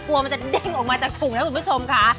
มันจะเด้งออกมาจากถุงนะคุณผู้ชมค่ะ